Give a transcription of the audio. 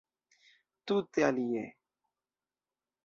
Tute alie.